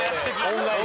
恩返し。